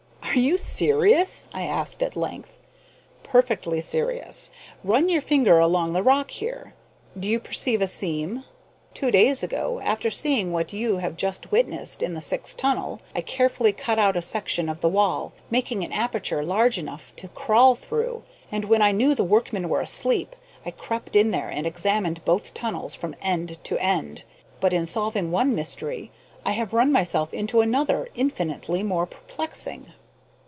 "Are you serious?" I asked at length. "Perfectly serious. Run your finger along the rock here. Do you perceive a seam? Two days ago, after seeing what you have just witnessed in the Syx tunnel, I carefully cut out a section of the wall, making an aperture large enough to crawl through, and, when I knew the workmen were asleep, I crept in there and examined both tunnels from end to end. But in solving one mystery I have run myself into another infinitely more perplexing."